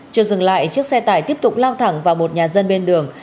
chưa dừng lại chiếc xe tải tiếp tục lao thẳng vào một nhà dân bên đường